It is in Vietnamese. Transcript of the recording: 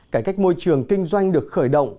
cải cách môi trường kinh doanh được khởi động